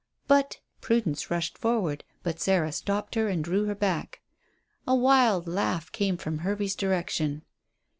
"But " Prudence rushed forward, but Sarah stopped her and drew her back. A wild laugh came from Hervey's direction.